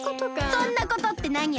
そんなことってなによ！